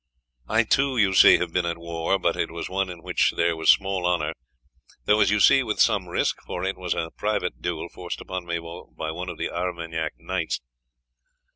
I too, you see, have been at war; but it was one in which there was small honour, though, as you see, with some risk, for it was a private duel forced upon me by one of the Armagnac knights.